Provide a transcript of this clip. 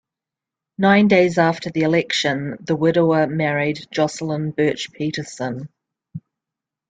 Nine days after the election, the widower married Jocelyn Birch Peterson.